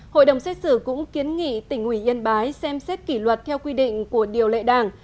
hội đồng xét xử cũng kiến nghị tỉnh ủy yên bái xem xét kỷ luật theo quy định của điều lệ đảng